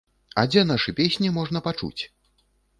А дзе нашы песні можна пачуць?